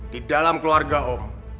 di dalam keluarga om